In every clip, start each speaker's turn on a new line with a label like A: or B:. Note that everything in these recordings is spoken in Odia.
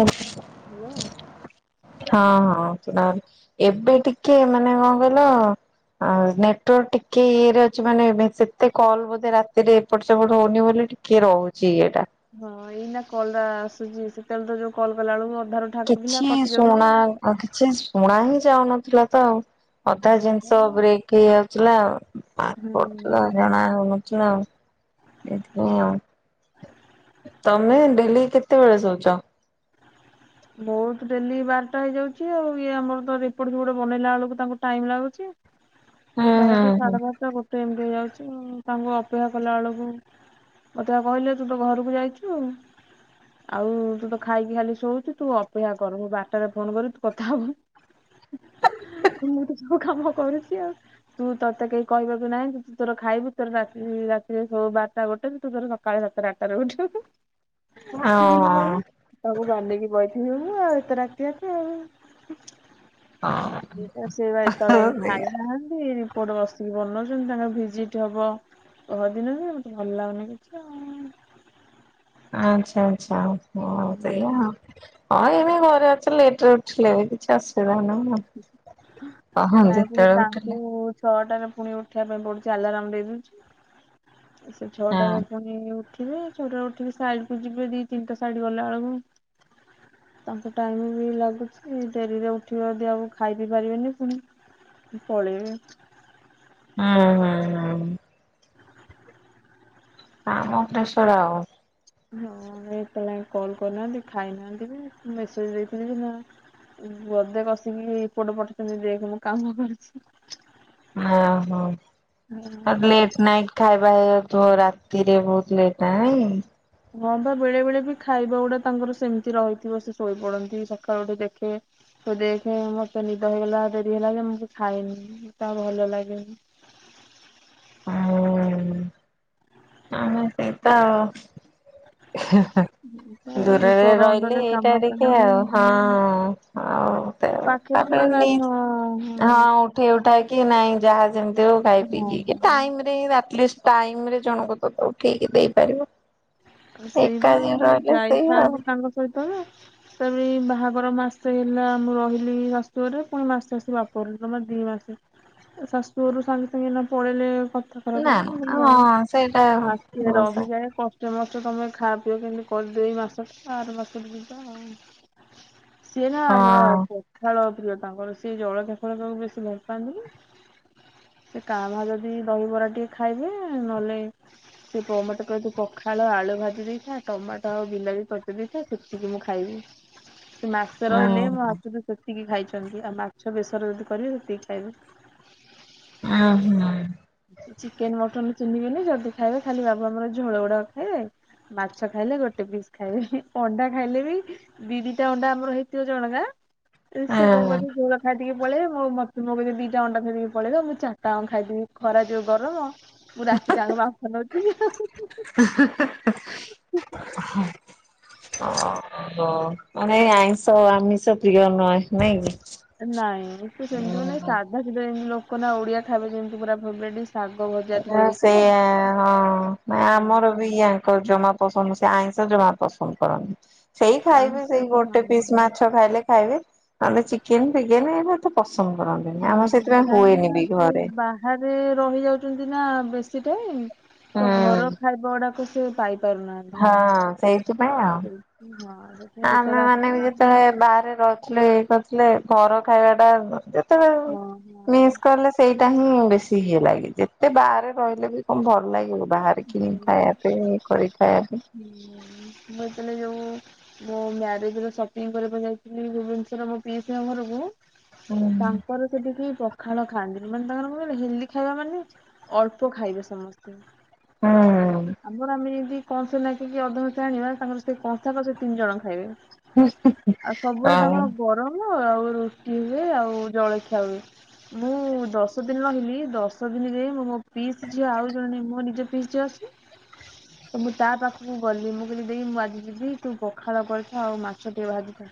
A: ହଁ,
B: ହ୍ୟାଲୋ
A: ହଁ। ଏବେ ଟିକେ ମାନେ, କଣ କହିଲ? ଆଉ ନେଟୱାର୍କ ଟିକେ ଇଏରେ ଅଛି। ମାନେ, ସେତେ କଲ୍ ବୋଧେ ରାତିରେ ଏପଟ ସେପଟ ହଉନି ବୋଲି ଟିକେ ରହୁଛି ଇଏଟା।
B: ହଁ, ଏଇ ନା କଲରା ଆସୁଛି। ସେତେ ବେଳେ ତ ଯଉ କଲ୍ କଲାଅଳକୁ
A: କିଛି ଶୁଣା ଆ କିଛି ଶୁଣା ହିଁ ଯାଉନଥିଲା ତ ଆଉ। ଅଧା
B: ହଁ ପା।
A: ଜିନିଷ ବ୍ରେକ୍ ହେଇଆଉଥିଲା। ଆ
B: ହୁଁ।
A: ପଡୁଥିଲା ଜଣା ହଉନ [unintelligible] ଏଇଥିପାଇଁ ଆଉ। ତମେ ଡେଲି କେତେବେଳେ ଶୋଉଚ?
B: ମୋର ତ ଡେଲି ବାରଟା ହେଇଯାଉଛି ଆଉ। ଇଏ ଆମର ତ ରିପୋର୍ଟ ଫିପୋଟ ବନେଇଲା ବେଳକୁ, ତାଙ୍କୁ ଟାଇମ୍ ଲାଗୁଛି।
A: ହୁଁ ହୁଁ
B: ବାରଟା
A: ହୁଁ
B: ସାଢେ ବାରଟା ଗୋଟେ ଏମିତି ହେଇଯାଉଛ। ଚୁ ତାଙ୍କୁ ଅପେକ୍ଷା କଲା ଅଳକୁ ମୋତେ କହିଲେ ତୁ ତ ଘରକୁ ଯାଇଛୁ। ଆଉ, ତୁ ତ ଖାଇକି ଖାଲି ଶୋଉଛୁ। ତୁ ଅପେକ୍ଷା କର। ବାରଟାରେ ଫୋନ୍ କରିବି ତୁ କଥା ହବୁ। ମୁଁ ତ ସବୁ କାମ କରୁଛି ଆଉ। ତୁ ତୋତେ କେହି କହିବାକୁ ନାହାଁନ୍ତି। ତୁ ତୋର ଖାଇବୁ, ତୋର ରାତି ରାତିରେ ଶୋ ବାରଟା ଗୋଟେ ହଟା ତୁ ତୋର ସକାଳେ ସାତଟା ଆଠଟାରେ ଉଠ,
A: ଓ
B: ମୁଁ କହିଲି କାଇଁ,
A: ହଁ।
B: ମୁଁ ଗାନେଇକି ବଇଚି। ମୁଁ, ଆଉ ଏତେ ରାତି ଆକେ ଆଉ। ଇଏତ ସେବା ଏତେଳ ଆଙ୍କେ ଖାଇନାହାଁନ୍ତି। ରିପୋର୍ଟ ବସିକି ବନଉଛନ୍ତି। ତାଙ୍କ ଭିଜିଟ୍ ହବ। ପହରଦିନ ବି ମତେ ଭଲ ଲାଗୁନି କିଛି ଆଉଁ।
A: ଆଚ୍ଛା ଆଚ୍ଛା ହଁ ସେଇଆ ଆଉ। ହଁ, ଏମି ଘରେ ଅଛି, ଲେଟ୍ ରେ ଉଠିଲେ, ଏବେ କିଛି ଅସୁବିଧା ନାହିଁ ଆଉ। ହଁ,
B: ନାଇଁ ପୁଣି
A: ଯେତେବେଳେ
B: ତାଙ୍କୁ
A: ଉଠିଲେ
B: ଛଅଟାରେ ପୁଣି ଉଠେୟା ପାଇଁ ପଡୁଛି। ଆଲାରାମ ଦେଇ ଦଉଛି, ସେ
A: ହଁ।
B: ଛଅଟାରେ ପୁଣି ଉଠି ବେ ଛ ଟାଳେ ଉଠିକି ସାଇଡକୁ ଯିବେ ଦି ତିନିଟା ସାଇଡ ଗଲା ବେଳକୁ ତାଙ୍କୁ ଟାଇମ୍ ବି ଲାଗୁଛି, ଡେରିରେ ଉଠିବ ଯଦି ଆଉ ଖାଇ ବିି ପାରିବେନି ପୁଣି ପଳେଇବେ।
A: ହୁଁ ହୁଁ ହୁଁ। କାମ ପ୍ରେସର ଆଉ।
B: ହଁ, ଏତଳ ଆଏଁ କଲ୍ କରିନାହାଁନ୍ତି, ଖାଇନାହାଁନ୍ତି ବି ମେସେଜ ଦେଇଥିଲି ବି ନା ବୋଧେ କସିକି ରିପୋର୍ଟ ପଠେଇଛନ୍ତି। ଦେଖ୍ ମୁଁ କାମ କରିୁଛି।
A: ଆହୋ, ଆ ଲେଟ୍ ନାଇଟ୍ ଖାଇ ଭାଇ ଆଉ ତୁ ରାତିରେ ବହୁତ ଲେଟ ନାଇଁ
B: ହଁ ବା ବେଳେ ବେଳେ ବି ଖାଇବା ଗୁଡା ତାଙ୍କର ସେମିତି ରହିଥିବ, ସେ ଶୋଇପଡନ୍ତି। ସକାଳୁ ଉଠି ଦେଖେ। ସୋ ଦେଖେ ମତେ ନିଦ ହେଇଗଲା, ଡେରି ହେଲା, ଯେ ମୁଁ ଖାଇନି, ତା ଭଲ ଲାଗେନି।
A: ହୁଁ। ଆମେ ସେଇ ତ ଆଉ
B: ଏଇ
A: ଦୂରରେ
B: ପର
A: ରହିଲେ
B: ଅଣ୍ଡରେ
A: ଏଇଟା
B: କାମ
A: ଟିକେ
B: କଲେ
A: ଆଉ ହଁ ଆଉ। ଏମତି।
B: ପାଖରେ ଥିଲେ
A: ତା'ପରେ
B: ନାଇଁ
A: ନେଇ
B: ହଁ
A: ହଁ ଉଠେଇ ଉଠା କି ନାଇଁ ଯାହା ଯେମିତି ହଉ ଖାଇ
B: ହଁ
A: ପିକି
B: ହଁ।
A: ଟାଇମ୍ ରେ ଆଟଲିଷ୍ଟ ଟାଇମ୍ ରେ ଜଣକୁ ଓ ତାକୁ ଠିକ୍ ଦେଇପାରିବ। ଏକା
B: ସେଇବା,
A: ଯେ
B: ମୁଁ
A: ରହିଲେ ସେଇ ଆଉ
B: ଯାଇଥାନ୍ତି ତାଙ୍କ ସହିତ ଯେ ସେବି ବା ବାହାଘର ମାସେ ହେଲା, ମୁଁ ରହିଲି ଶାଶୁଘରେ ପୁଣି ମାସେ ଆସି ବାପଘରେ ଯମା ଦି ମାସେ। ଶାଶୁ ଘରୁ ସାଙ୍ଗେ ସାଙ୍ଗେ ଏନା ପଳେଇଲେ କଥା ଖରାପ
A: ନା
B: ହବ।
A: ନା
B: ମୁଁ କଇଲି ନାଇଁ
A: ହଁ ସେଇଟା
B: ମାସେ
A: ଭଲସେ
B: ରହିଯାଏ। କଷ୍ ସମ ସମସ୍ତେ ତମେ ଖା, ପିଅ କିନ୍ତୁ କରିଦେଇ, ମାସଟା ଆର ମାସରେ ଯିବା ଆଉ ସିଏ ନା ଆମର
A: ହଁ
B: ପଖାଳ ପ୍ରିୟ ତାଙ୍କର ସେ। ସେ ଜଳଖିଆ ଫଳଖିଆ କୁ ବେଶୀ ଭଲ ପାଆନ୍ତିନି। ସେ କାଁ ଭା ଯଦି ଦହିବରା ଟିକେ ଖାଇବେ, ନହେଲେ ସେ ମତେ କହିବେ ପ ପଖାଳ ଆଳୁ ଭାଜି ଦେଇଥା ଟମାଟୋ ଆଉ ବିଲାତି ପତ ଦେଇଥା ସେତିକି ମୁଁ ଖାଇବି। ସେ ମାସ
A: ହୁଁ
B: ରହିଲେ ମୋ ହାତରୁ ସେ ସେତିକି ଖାଇଛନ୍ତି ଆଉ ମାଛ ବେସରେ ଯଦି କରିବେ ସେତିକି ଖାଇବେ
A: ଅ ହ।
B: ଚିକେନ, ମଟନ ଚିହ୍ନିବେନି। ଯଦି ଖାଇବେ ଖାଲି ବାବା ଆମର ଝୋଳ ଗୁଡାକ ଖାଇବେ। ମାଛ ଖାଇଲେ ଗୋଟେ ପିସ୍ ଖାଇବେ। ଅଣ୍ଡା ଖାଇଲେ ବି ଦି ଦିଟା ଅଣ୍ଡା ଆମର ହେଇଥିବ ଜଣକା ସେ କଣ କରନ୍ତି ଝୋଳ ଖାଇଦେଇକି ପଳେଇବେ। ମୋ ମତେ ତୁମକୁ ଯଦି ଦିଟା ଅଣ୍ଡା ଥୋଇକି ପଳେଇବେ। ମୁଁ ଚାରିଟା ଖାଇଦେବି ଖରା ଯୋଉ ଗରମ ମୁଁ ରାତିଟା ଯାକ ବାମ୍ଫ ନଉଛି ଆଉ ନହୁ।
A: ଓହ ମାନେ ଆଇଁଷ ଆମିଷ ପ୍ରିୟ ନୁହେ ନାଇଁ କି?
B: ନାଇଁ ସେମିତି ବି ନାଇଁ ସାଧା ସେମିତି ଲୋକ ନା ଓଡିଆ ଖାଇବେ ଯେମିତି ପୁରା ଫେବୋରାଇଟ
A: ଆଁ ସେଇୟା ହଁ
B: ହଁ
A: ଆମର ବି ଇୟାଙ୍କର ବି ଜମା ପସନ୍ଦ, ସେ ଆଇଁଷ ଜମା ପସନ୍ଦ କରନ୍ତିନି। ସେଇ
B: କାରଣ
A: ଖାଇବେ
B: ସେ
A: ସେଇ
B: ହଁ
A: ଗୋଟେ ପିସ୍
B: ହୁଁ।
A: ମାଛ ଖାଇଲେ ଖାଇବେ, ନହଲେ ଚିକେନ ଫିକେନେ ନହନେ ଏତେ ପସନ୍ଦ କରନ୍ତିନି ଆମର
B: ହୁଁ,
A: ସେଥିପାଇଁ
B: କାହିଁକି
A: ହୁଏନି
B: ନା?
A: ବି
B: ସେ
A: ଘରେ
B: ବାହାରେ ରହିଯାଉଛନ୍ତି ନା ବେଶୀ ଟାଇମ୍, ତ ଘର
A: ହୁଁ
B: ଖାଇବା ଗୁଡାକ ସେ ପାଇ
A: ହଁ, ସେଇଥି ପାଇଁ ଆ।
B: ସେଇଥି ହଁ ସେଥିପାଇଁ
A: ଆମେ
B: ଯେତେବେଳେ
A: ମାନେ
B: ଆସିବେ
A: ଯେତେବେଳେ ବାହାରେ ରହୁଥିଲେ, ଇ କରଥିଲେ ଘର ଖାଇବା ଟା
B: ହଁ ହଁ।
A: ମିସ୍ କଲେ ସେଇଟା ହିଁ ବେଶୀ ହେଇ ଲାଗେ, ଯେତେ ବାହାରେ ରହିଲେ ବି କଣ ଭଲ ଲାଗିବ। ବାହାରେ କିଣି ଖାଇବା ପାଇଁ, କରି ଖାଇବା ପାଇଁ
B: ଯଉ ମୋ ମାରେଜ ସପିଂ କରିବାକୁ ଯାଇଥିଲି ଭୁବନେଶ୍ଵର ମୋ ପିଇସି ଙ୍କ ଘରକୁ
A: ହୁଁ।
B: ତାଙ୍କର ସେଠିକି ପଖାଳ ଖାଆନ୍ତିନି ମାନେ ତାଙ୍କର କଣ ହେଲ୍ଦି ଖାଇବା ମାନେ ଅଳ୍ପ ଖାଇବେ ସମସ୍ତେ।
A: ହଁ।
B: ଆମର ଆମେ ଯଦି କଂସ ନକି, କିି ଅଧ କଂସା ଆଣିବା ତାଙ୍କର ସେଇ କଂସା କ ସେ ତିନି ଜଣ ଖାଇବେ। ଆଉ ସବୁବେଳେ
A: ହଁ
B: ତାଙ୍କର ଗରମ ଆଉ ରୁଟି ହୁଏ ଆଉ ଜଳଖିଆ ହୁଏ। ମୁଁ ଦଶ ଦିନ ରହିଲି, ଦଶ ଦିନରେ ମୁଁ ମୋ ପିସ୍ ଝିଅ ଆଉ ଜଣେ ମୋ ନିଜ ପିସ୍ ଝିଅ ଅଛି
A: [unintelligible]
B: ତ ମୁଁ ତା ପାଖକୁ ଗଲି, ମୁଁ କହିଲି ଦେଇ ମୁଁ ଆଜି ଯିବି, ତୁ ପଖାଳ କରିଥା ଆଉ ମାଛ ଟିକେ ଭାଜିଥା।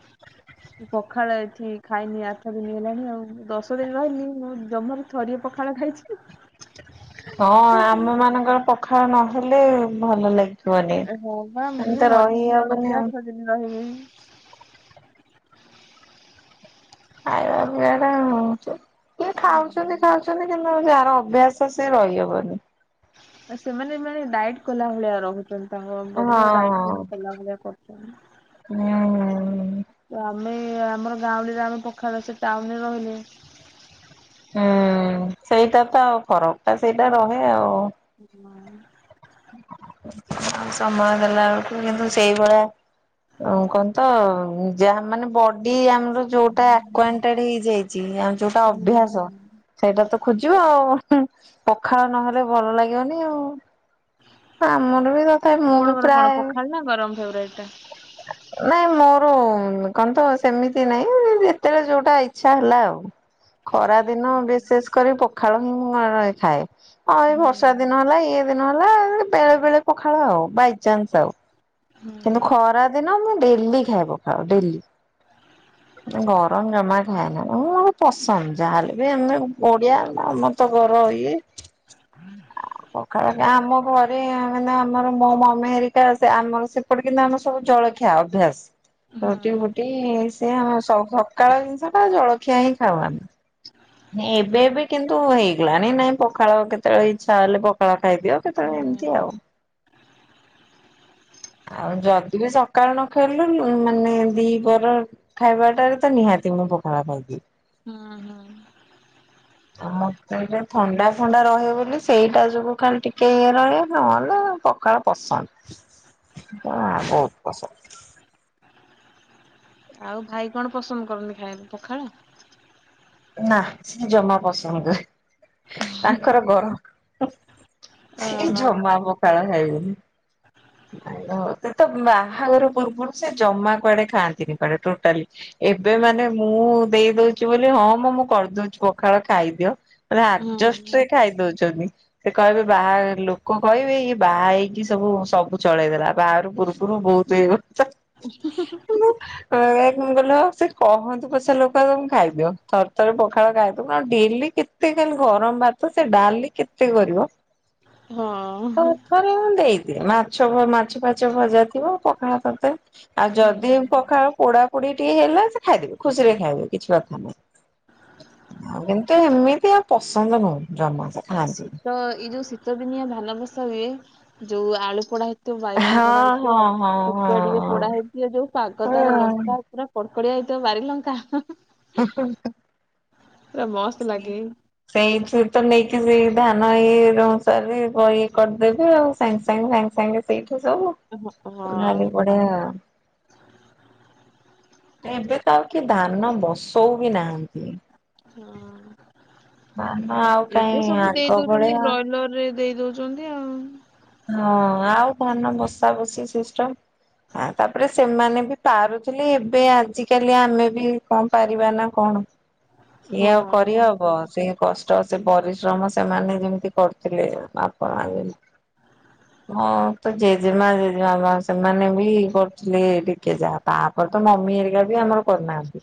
B: ପଖାଳ ଏଠି ଖାଇନି ଆଠ ଦିନ ହେଲାଣି ଆଉ, ଦଶ ଦିନ ରହିଲି ମୁଁ ଜମାରୁ ଥରିଏ ପଖାଳ ଖାଇଛି।
A: ହଁ ଆମ ମାନଙ୍କର ପଖାଳ ନହେଲେ ଭଲ ଲାଗେ
B: ହଁ ବା, ମୁଁ କହିଲି ମରିଯିବି ଆଉ ଯଦି ଆଠ ଦିନ ରହିବି। [unintelligible]
A: ଖାଇବା ପିଇବା ଟା ହ କିଏ ଖାଉଛନ୍ତି, ଖାଉଛନ୍ତି, କି ଯ ଅଭ୍ୟାସ ସେ ରହିହବନି।
B: ଆ ସେମାନେ ମାନେ ଡାଇଟ୍ କଲା ଭଳିଆ ରହୁଛନ୍ତି। ତାଙ୍କ
A: ହଁ
B: ବଡି ତାକୁ ଡାଏଟ୍ କଲା ଭଳିଆ
A: ହୁଁ।
B: କରୁଛନ୍ତି। ଆମେ ଆମର ଗାଁଉଲି ରେ ଆମେ ପଖାଳ, ସେ ଟାଉନରେ ରହିଲେ
A: ହୁଁ ସେଇଟା ତ ଆଉ ଫରକ ଟା ସେଇଟା ରହେ ଆଉ।
B: ହୁଁ।
A: ସମୟ ଦେଲାବେେଳକୁ କିନ୍ତୁ ସେଇଭଳିଆ କଣ ତ ଯାହା ମାନେ, ବଡି ଆମ ଯୋଉଟା ଆୱାଣ୍ଟଡ ହେଇଯାଇଛି ଆଉ ଯୋଉଟା
B: ହୁଁ ହୁଁ।
A: ଅଭ୍ୟାସ, ସେଇଟା ତ ଖୋଜିବ ଆଉ ପଖାଳ ନହେଲେ ଭଲ ଲାଗିବନି ଆଉ। ଆମର ବି ତଥା, ମୁଁ ବି ପ୍ରାୟ
B: ଫେବରାଏଟ ଟା।
A: [inaudible] ନାଇଁ ମୋର କଣ ତ ସେମିତି ନାଇଁ ଯେତେବେଳେ ଯୋଉଟା ଇଚ୍ଛା ହେଲା ଆଉ ଖରା ଦିନ ବିଶେଷ କରି ପଖାଳ ମୁଁ ଖାଏ। ହଁ ଏଇ
B: ହୁଁ
A: ବର୍ଷା ଦିନ ହେଲା ଇଏ ଦିନ ନହେଲା ବେଳେ ବେଳେ ପଖାଳ ଆଉ ବାଇଚାନ୍ସ ଆଉ କିନ୍ତୁ
B: ହୁଁ
A: ଖରା ଦିନ ମୁଁ ଡେଲି ଖାଏ ପଖାଳ ଡେଲି। ଗରମ ଜମା ଖାଏନା ମୁଁ ପସନ୍ଦ ଯାହାହେଲେ ବି ଆମେ ଓଡିଆ ଆମ ତ ଗରମ ଆଉ ପଖାଳଟା ଆମ ଘରେ ମାନେ ଆମର ମୋ ମମି ହେରିକା ଆମର ସେପଟେ କିନ୍ତୁ ଆମର ସବୁ ଜଳଖିଆ ଅଭ୍ୟାସ। ରୁଟି
B: ହୁଁ
A: ଫୁଟି ସେ ଆମ ସ ସକାଳ ଜିନିଷ ଟା ଜଳଖିଆ ହିଁ ଖାଉ ଆମେ ଏବେ ବି କିନ୍ତୁ ହେଇଗଲାଣିି ନାଇଁ ପଖାଳ କେତେବେଳେ ଇଛା ହେଲେ ପଖାଳ ଖାଇଦିଅ କେତେବେଳେ ଏମିତି
B: ହୁଁ।
A: ଆଉ। ଆଉ ଯଦି ବି ସକାଳୁ ନ ଖାଇଲୁ ମାନେ ଦିପହର ଖାଇବାଟାରେ ତ ନିହାତି। ମୁଁ ପଖାଳ ଖାଇଦିଏ।
B: ହୁଁ ହୁଁ।
A: ମତେ ଏ ଥଣ୍ଡା ଫଣ୍ଡା ରହିବ ବୋଲି ସେଇଟା ଯୋଗୁ ଖାଲି ଟିକେ ଇଏ ରହେ ନହଲେ ପଖାଳ ପସନ୍ଦ ଆ ବହୁତ ପସନ୍ଦ।
B: ଆଉ ଭାଇ କଣ ପସନ୍ଦ କରନ୍ତି ଖାଇବା କୁ ପଖାଳ।
A: ନା ସେ ଜମା ପସନ୍ଦ ନୁହେଁ ତାଙ୍କର ଗର ସେ
B: ଓହୋ
A: ଜମା ପଖାଳ ଖାଇବେନି। ସେ ତ ବାହାଘର ପୂର୍ବରୁ ସେ ଜମା କୁଆଡେ ଖାଆନ୍ତିନି କୁଆଡେ ଟୋଟାଲି। ଏବେ ମାନେ ମୁଁ ଦେଇ ଦଉଛି ବୋଲି ହଁ ମୁଁ ମୁଁ କରିଦଉଛି ପଖାଳ ଖାଇଦିଅ। ଆଡଜଷ୍ଟରେ
B: ହୁଁ
A: ଖାଇ ଦଉଛନ୍ତି। ସେ କହିବେ ବାହା ଲୋକ କହିବେ ଇଏ ବାହା ହେଇକି ସବୁ ସବୁ ଚଳେଇ ଦେଲା ବାହାଘର ପୂର୍ବରୁ ବହୁତ ଏଇ
B: [inaudible]
A: କଣ କହିଲ ସେ କଲେ ସେ କହନ୍ତୁ ପଛେ ଲୋକ ତମେ ଖାଇଦିଅ ଥରଥରେ ପଖାଳ ଖାଇଦବ ଡେଲି କେତେ ଗରମ ଭାତ ସେ ଡାଲି କେତେ କରିବ
B: ହଁ।
A: ତଥରେ ମୁ ଦେଇ ମାଛ ଭ ମାଛ ଫାଚ ଭଜା ଥିବ ପଖାଳ କରଦେ ଆଉ
B: ହୁଁ
A: ଯଦି ପଖାଳ ପୋଡା ପୋଡିଏ ଟିଏ ହେଲେ ସେ ଖାଇଦେବେ ଖୁସିରେ ଖାଇବେ କିଛି କଥା ନାହିଁ। କିନ୍ତୁ ହିମିତି ଆଉ ପସନ୍ଦ ନୁହଁ ଜମା। ସେ ଖାଆନ୍ତିନି।
B: ଶୀତ ଏଇ ଯୋଉ ଶୀତ ଦିନିଆ ଧାନ ବସା ହୁଏ ଯୋଉ ଆଳୁ ପୋଡା ହେ ବାଇଗଣ ପୋଡା
A: ହଁ ହଁ
B: ହେଇଥିବ
A: ହଁ ହଁ
B: ସୁକୁଆ ଟିକେ ପୋଡା ହେଇଥିଲେ ଯୋଉ ପାଗ ତାର
A: ହଁ।
B: ଲଙ୍କା ପୁରା ପ ପଡିଆ ହେଇଥବ ବାରି ଲଙ୍କା।
A: ହ ହ ହ।
B: ପୁରା ମସ୍ତ ଲାଗେ।
A: ସେଇଥି ତ ନେଇକି। ସେଇ ଧାନ ଇଏ ଅନୁସାରେ ବ କରିଦେବେ ଆଉ ସାଙ୍ଗେ ସାଙ୍ଗେ ସାଙ୍ଗେ ସାଙ୍ଗେ ସେଇଠି।
B: ହଁ।
A: ସବୁ ନାଲି ପଡିଆ। ଏବେ ତ ଆଉ କି ଧାନ ବସଉ ବି ନାହାନ୍ତି।
B: ହଁ।
A: ଧାନ ଆଉ କାହିଁ
B: ଏବେ ସବୁ
A: ଆଗ
B: ଦେଇ ଦଉଛନ୍ତି
A: ଭଳିଆ
B: ବ୍ରଏଲର ରେ ଦେଇ ଦଉଛନ୍ତି ଆଉ।
A: ହଁ ଆଉ ଧାନ ବସା ବସି ସିଷ୍ଟମ ହଁ ତାପରେ ସେମାନେ ବି ପାରୁଥିଲେ ଏବେ ଆଜିକାଲି ଆମେ ବି କଣ ପାରିବା ନା କଣ। ସିଏ ଆଉ କରି
B: ହଁ।
A: ହବ ସେ କ ଷ୍ଟ ସେ ପରିଶ୍ରମ ସେମାନେ ଯେମିତି କରୁଥିଲେ ଆପଣ ହଁ ତ ଜେଜେମା ଜେଜେମା ମା ସେମାନେ ବି କରୁଥିଲେ ଟିକେ ଯାହା ତାପରେ ତ ମ ମମି ହେରିକା ବି ଆମର କରିନାହାନ୍ତି।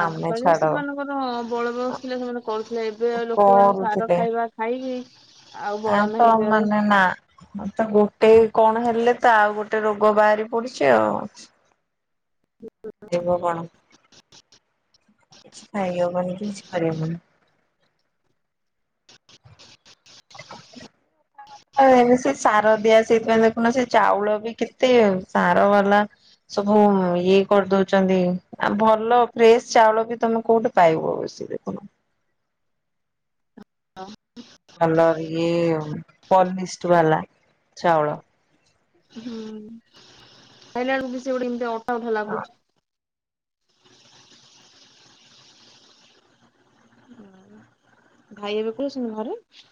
B: ଆଗ କାଳରେ ସେମାନଙ୍କର ବଳବୟସ୍ ଥିଲା ସେମାନେ କରୁ ଏବେ ଆଉ ଲୋକମାନେ ସାର
A: କରୁଥିଲେ
B: ଖାଇବା ଖାଇକି ଆଉ
A: ଆ
B: ବଳ
A: ତ
B: ନାହିଁ ଦେହରେ
A: ମାନେ ନା ଅ ତ ଗୋଟେ କଣ ହେଲେ ତ ଆଉ ଗୋଟେ ରୋଗ ବାହାରି ପଡୁଛି ଆଉ। ହେବ କଣ କିଛି ଖାଇ ହବନି କିଛି କରିହବନି। [inaudible] ଆ ସେ ସାର ଦିଆ ସେଇଥିପାଇଁ ଦେଖୁନ ସେ ଚାଉଳ ବି କେତେ ସାର ବାଲା ସବୁ ଇଏ କରିଦଉଛନ୍ତି ଆଉ ଭଲ ଫ୍ରେଶ ଚାଉଳ ବି ତମେ କୋଉଠୁ ପାଇବ? ଦେଖୁନୁ ମଲର ଇଏ ପନିଷ୍ଟ ବାଲା ଚାଉଳ।
B: ହୁଁ ଖାଇଲା ବେଳକୁ ବି ସେ ଗୋଟେ ଏମତି ଅଠା ଅଠା ଲାଗୁଛି। ଭାଇ ଏବେ ସେ ଘରେ?